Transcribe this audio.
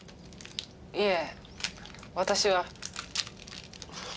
いえ私は。